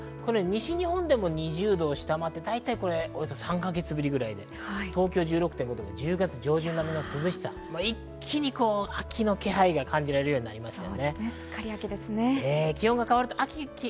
西日本でも２０度を下回って、およそ３か月ぶりくらいで、東京は１６．５度、１０月上旬並みの涼しさ、一気に秋の気配を感じられるようになりました。